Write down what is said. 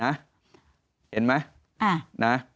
นะเห็นไหมนะ